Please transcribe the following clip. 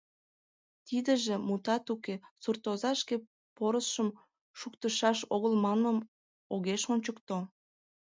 Тидыже, мутат уке, суртоза шке порысшым шуктышаш огыл манмым огеш ончыкто.